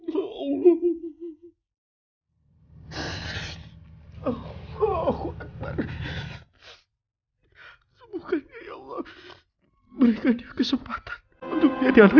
dengar dulu dengar dulu